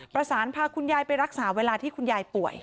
พาคุณยายไปรักษาเวลาที่คุณยายป่วย